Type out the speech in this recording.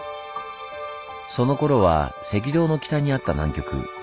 そのころは赤道の北にあった南極。